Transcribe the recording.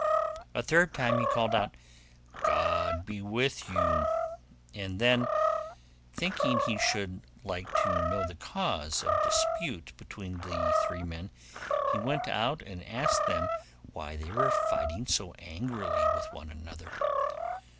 A third time he called out, 'God be with you,' and then thinking he should like to know the cause of dispute between the three men, he went out and asked them why they were fighting so angrily with one another.